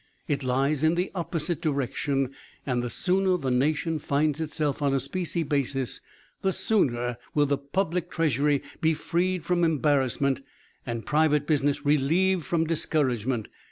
It lies in the opposite direction and the sooner the nation finds itself on a specie basis, the sooner will the public treasury be freed from embarrassment, and private business relieved from discouragement.